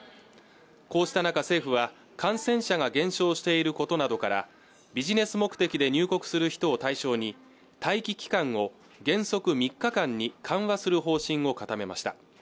こうした中政府は感染者が減少していることなどからビジネス目的で入国する人を対象に待機期間を原則３日間に緩和する方針を固めました